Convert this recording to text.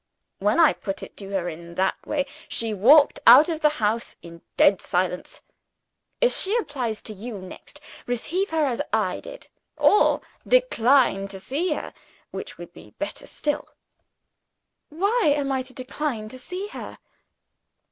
When I put it to her in that way, she walked out of the house in dead silence. If she applies to you next, receive her as I did or decline to see her, which would be better still." "Why am I to decline to see her?"